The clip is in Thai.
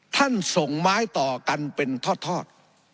ส่งไม้ต่อกันเป็นทอด